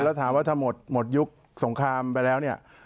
แล้วถามว่าถ้าหมดยุคสงครามไปแล้วเนี่ย